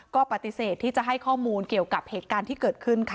ก็ปฏิเสธที่จะให้ข้อมูลเกี่ยวกับเหตุการณ์ที่เกิดขึ้นค่ะ